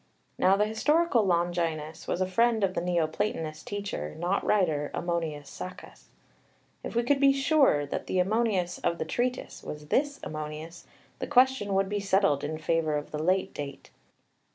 Now the historical Longinus was a friend of the Neoplatonist teacher (not writer), Ammonius Saccas. If we could be sure that the Ammonius of the Treatise was this Ammonius, the question would be settled in favour of the late date.